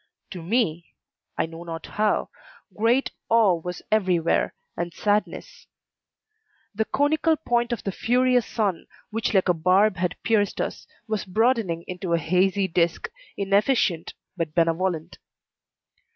To me, I know not how, great awe was every where, and sadness. The conical point of the furious sun, which like a barb had pierced us, was broadening into a hazy disk, inefficient, but benevolent.